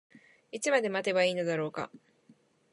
いつまで待てばいいのだろうか。